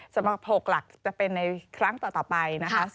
สำหรับ๖หลักจะเป็นในครั้งต่อไปนะคะ